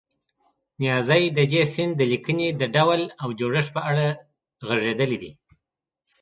نیازی د دې سیند د لیکنې د ډول او جوړښت په اړه غږېدلی دی.